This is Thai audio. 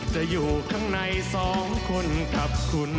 จะอยู่ข้างในสองคนกับคุณ